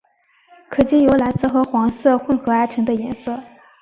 可经由蓝色和黄色混和而成的颜色。